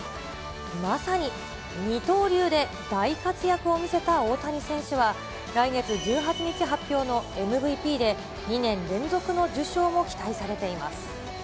まさに二刀流で大活躍を見せた大谷選手は、来月１８日発表のＭＶＰで、２年連続の受賞も期待されています。